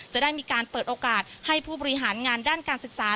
จะได้มีการเปิดโอกาสให้ผู้บริหารงานด้านการศึกษา